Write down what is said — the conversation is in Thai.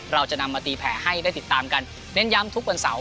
เราจะนำมาตีแผลให้ได้ติดตามกันเน้นย้ำทุกวันเสาร์